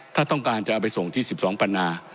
ถ้าต้องการจะเอาไปส่งที่๑๒ปันนา